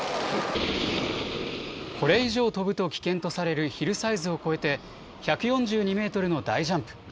これ以上飛ぶと危険とされるヒルサイズを超えて１４２メートルの大ジャンプ。